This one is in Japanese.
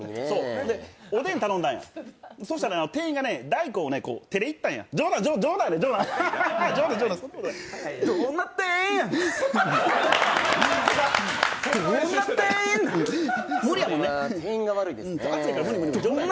おでん頼んだんや、そしたら店員が大根を手でいったんや、冗談やで、冗談！